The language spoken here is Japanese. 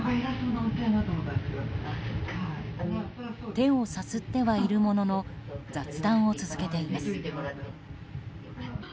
手をさすってはいるものの雑談を続けています。